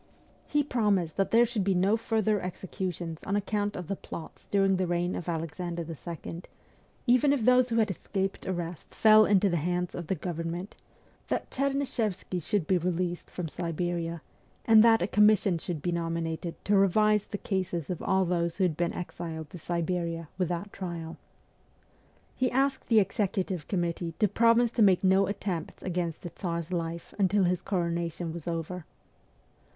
He promised that there should be no further executions on account of the plots during the reign of Alexander II., even if those who had escaped arrest fell into the hands of the government ; WESTERN EUROPE 257 that Chernyshevsky should be released from Siberia; and that a commission should be nominated to revise the cases of all those who had been exiled to Siberia without trial. On the other side, he asked the Execu tive Committee to promise to make no attempts against the Tsar's life until his coronation was over.